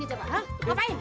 lu ngapain kesini coba